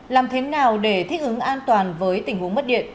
làm thế nào để thích ứng an toàn với tình huống mất điện